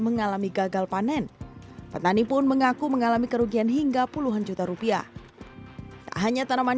mengalami gagal panen petani pun mengaku mengalami kerugian hingga puluhan juta rupiah tak hanya tanaman